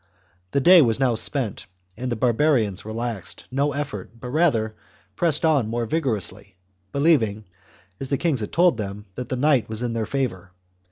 The day was now spent, and the barbarians relaxed no effort, but rather pressed on more vigorously, believing, as the kings had told them, that night was in their favour.